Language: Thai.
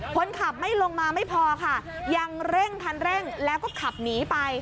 คนขับไม่ลงมาไม่พอค่ะยังเร่งคันเร่งแล้วก็ขับหนีไป